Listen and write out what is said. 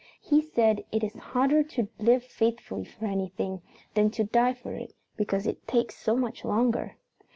He said it is harder to live faithfully for anything than to die for it because it takes so much longer."